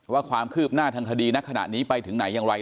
ว่าความคืบหน้าทางคดีณขณะนี้ไปถึงไหนอย่างไร